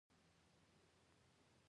څېره مې بیخي عجیبه غوندې راته ښکاره شوه.